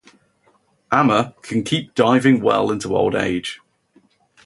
"Ama" can keep diving well into old age.